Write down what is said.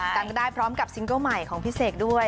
กันได้พร้อมกับซิงเกิ้ลใหม่ของพี่เสกด้วย